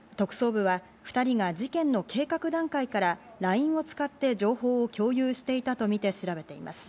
特捜部は２人が事件の計画段階からＬＩＮＥを使って情報を共有していたとみて調べています。